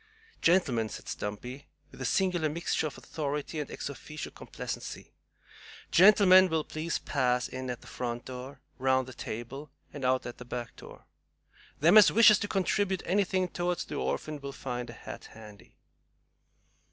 "Gentlemen," said Stumpy, with a singular mixture of authority and EX OFFICIO complacency, "gentlemen will please pass in at the front door, round the table, and out at the back door. Them as wishes to contribute anything toward the orphan will find a hat handy."